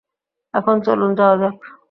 এখন চলুন, যাওয়া যাক।